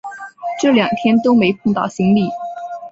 这两天都没碰到行李